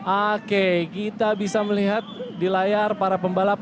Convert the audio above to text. oke kita bisa melihat di layar para pembalap